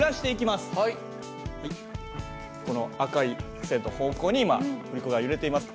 この赤い線の方向に今振り子が揺れています。